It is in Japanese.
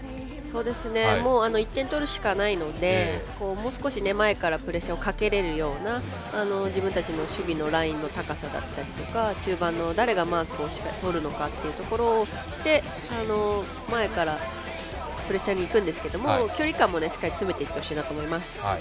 １点取るしかないのでもう少し前からプレッシャーをかけれるような自分たちの守備のラインの高さだったりとか中盤の誰がマークをとるのかっていうところをして前からプレッシャーにいくんですけど距離感もしっかり詰めていってほしいなと思います。